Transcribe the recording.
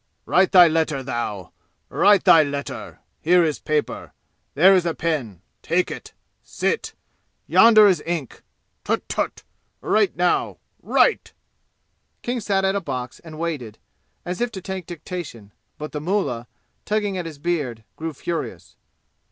"Write thy letter, thou! Write thy letter! Here is paper. There is a pen take it! Sit! Yonder is ink ttutt ttutt! Write, now, write!" King sat at a box and waited, as if to take dictation, but the mullah, tugging at his beard, grew furious.